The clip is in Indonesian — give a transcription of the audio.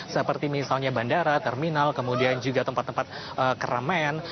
seperti misalnya bandara terminal kemudian juga tempat tempat keramaian